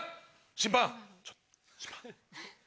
審判ちょっと審判。